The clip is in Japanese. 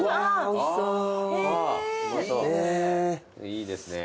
いいですね。